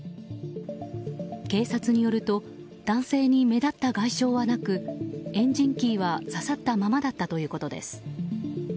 警察によると男性に目立った外傷はなくエンジンキーはささったままだったということです。